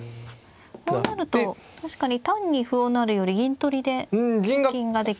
こうなると確かに単に歩を成るより銀取りでと金ができます。